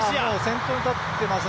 先頭に立ってます。